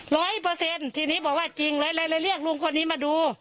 ร้อยเปอร์เซ็นต์ทีนี้บอกว่าจริงเลยเรียกลุงคนนี้มาดู